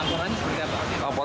laporannya seperti apa